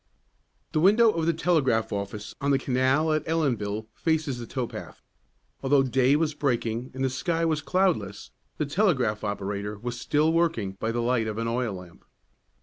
The window of the telegraph office on the canal at Ellenville faces the tow path. Although day was breaking and the sky was cloudless, the telegraph operator was still working by the light of an oil lamp.